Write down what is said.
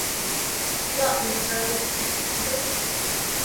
樂園受疫情重擊